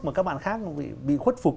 mà các bạn khác bị khuất phục